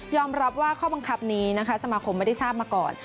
รับว่าข้อบังคับนี้นะคะสมาคมไม่ได้ทราบมาก่อน